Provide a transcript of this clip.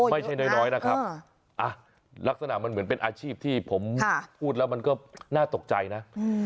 ไม่ใช่น้อยนะครับลักษณะมันเหมือนเป็นอาชีพที่ผมพูดแล้วมันก็น่าตกใจนะ